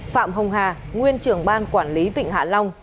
phạm hồng hà nguyên trưởng ban quản lý vịnh hạ long